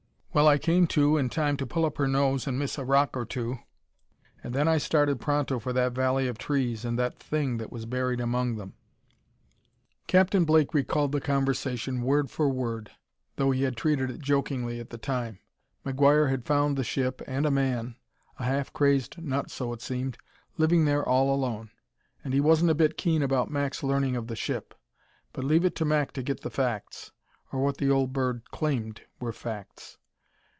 "Well, I came to in time to pull up her nose and miss a rock or two, and then I started pronto for that valley of trees and the thing that was buried among them." Captain Blake recalled the conversation word for word, though he had treated it jokingly at the time. McGuire had found the ship and a man a half crazed nut, so it seemed living there all alone. And he wasn't a bit keen about Mac's learning of the ship. But leave it to Mac to get the facts or what the old bird claimed were facts.